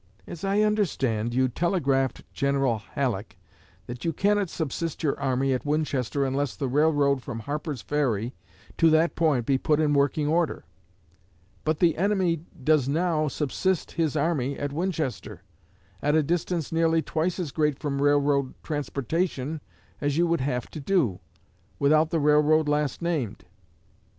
As I understand, you telegraphed General Halleck that you cannot subsist your army at Winchester unless the railroad from Harper's Ferry to that point be put in working order. But the enemy does now subsist his army at Winchester, at a distance nearly twice as great from railroad transportation as you would have to do, without the railroad last named.